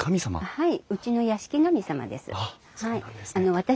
はい。